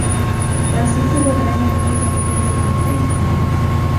Rasi kubwa barani Afrika ni Pembe la Afrika.